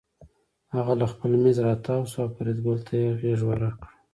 هغه له خپل مېز راتاو شو او فریدګل ته یې غېږ ورکړه